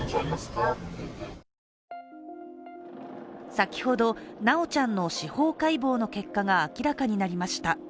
先ほど修ちゃんの司法解剖の結果が明らかになりました。